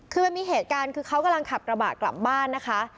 คือมันมีเหตุการณ์คือเขากำลังขับกระบะกลับบ้านนะคะ